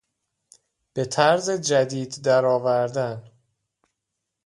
به طرز جدید در آوردن